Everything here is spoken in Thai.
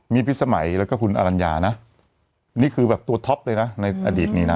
มีพิษสมัยแล้วก็คุณอรัญญานะนี่คือแบบตัวท็อปเลยนะในอดีตนี้นะ